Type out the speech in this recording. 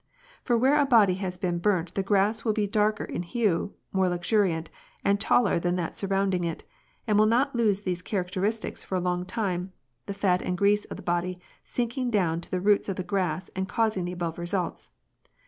For where a body has been burnt the grass will be darker in hue, more luxuriant, and taller than that surrounding it, and will not lose these characteristics for a long time, the fat and grease of the body sinking down to the roots of the grass and causing the above results.